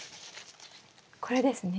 これですね？